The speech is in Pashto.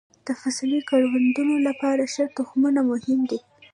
د فصلي کروندو لپاره ښه تخمونه مهم دي.